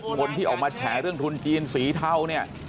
มนตร์ที่ออกมาแฉะเรื่องทุนจีนสีเทา